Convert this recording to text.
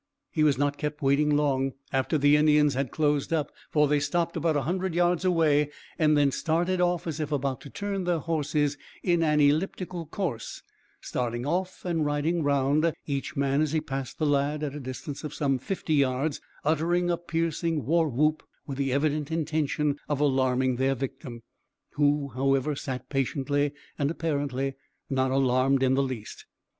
He was not kept waiting long after the Indians had closed up, for they stopped about a hundred yards away and then started off as if about to turn their horses in an elliptical course, starting off and riding round, each man as he passed the lad at a distance of some fifty yards uttering a piercing war whoop, with the evident intention of alarming their victim, who however sat waiting patiently and apparently not alarmed in the least.